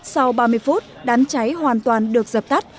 sau ba mươi phút đám cháy hoàn toàn được dập tắt